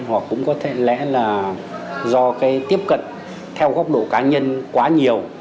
hoặc cũng có lẽ là do tiếp cận theo góc độ cá nhân quá nhiều